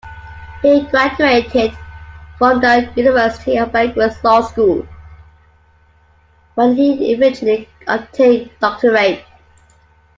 He graduated from the University of Belgrade's Law School, where he eventually obtained doctorate.